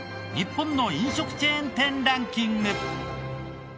日本の飲食チェーン店ランキング。